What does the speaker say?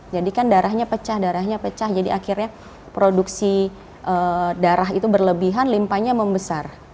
jadi kan darahnya pecah darahnya pecah jadi akhirnya produksi darah itu berlebihan limpahnya membesar